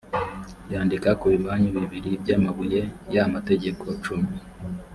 yandika ku bimanyu bibiri by’amabuye ya mategeko cumi